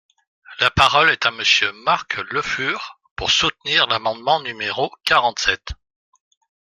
La parole est à Monsieur Marc Le Fur, pour soutenir l’amendement numéro quarante-sept.